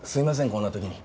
こんな時に。